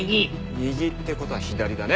右って事は左だね。